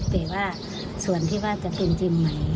แต่ว่าส่วนที่ว่าจะเป็นจริงใหม่